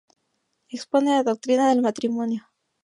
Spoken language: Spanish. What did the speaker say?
Expone la doctrina del matrimonio.